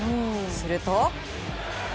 すると。